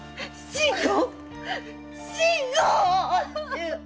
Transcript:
信吾！